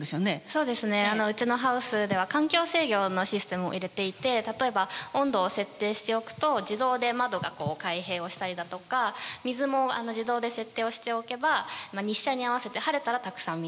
そうですねうちのハウスでは環境制御のシステムを入れていて例えば温度を設定しておくと自動で窓が開閉をしたりだとか水も自動で設定をしておけば日射に合わせて晴れたらたくさん水が出る。